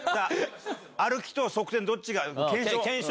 歩きと側転どっちが検証！